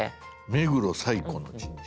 「目黒最古の神社」。